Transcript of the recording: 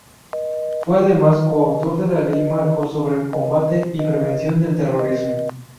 Fue, además, coautor de la Ley Marco sobre Combate y Prevención del Terrorismo.